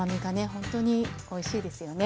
ほんとにおいしいですよね。